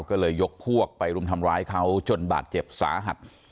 ก็เลยยกพวกไปรุมทำร้ายเขาจนบาดเจ็บสาหัส